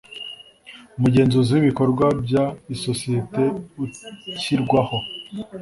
umugenzuzi w ibikorwa by isosiyete ushyirwaho